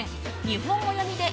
日本語読みで